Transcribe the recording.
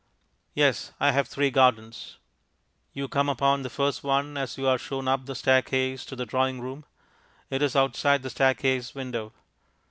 Yes, I have three gardens. You come upon the first one as you are shown up the staircase to the drawing room. It is outside the staircase window.